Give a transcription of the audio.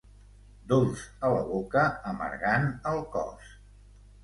Dolç a la boca, amargant al cos.